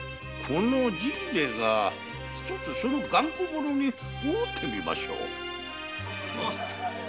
じいめがその頑固者に会うてみましょう。